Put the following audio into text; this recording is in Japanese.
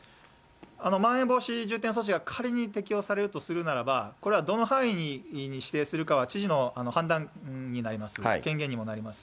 まん延防止重点措置が仮に適用されるとするならば、これはどの範囲に指定するかは、知事の判断になります、権限にもなります。